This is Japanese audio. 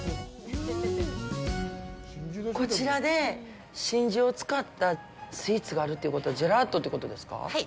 こちらで真珠を使ったスイーツがあるということはジェラートってことですか？